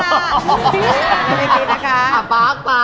ไม่กรี๊ดนะคะ